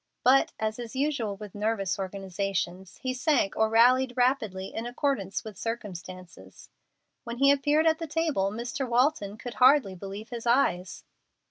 But, as is usual with nervous organizations, he sank or rallied rapidly in accordance with circumstances. When he appeared at the table, Mr. Walton could hardly believe his eyes.